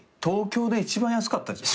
東京で一番安かった。